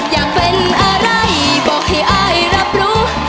อยากเป็นอะไรบอกให้อายรับรู้